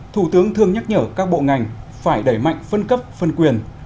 thủ tướng thường nhắc nhở các bộ ngành phải đẩy mạnh phân cấp phân quyền